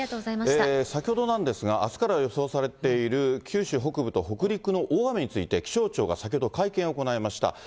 先ほどなんですが、あすから予想されている九州北部と北陸の大雨について、気象庁が先ほど、会見を行いました。